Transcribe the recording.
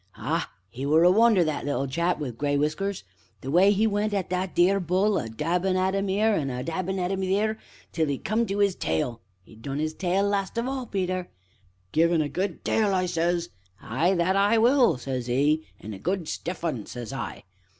Ah! 'e were a wonder were that little old chap wi' gray whiskers! The way 'e went at that theer bull, a dabbin' at 'im 'ere, an' a dabbin' at 'im theer till 'e come to 'is tail 'e done 'is tail last of all, Peter. 'Give un a good tail!' says I. 'Ah! that I will,' says 'e. 'An' a good stiff un!' says I.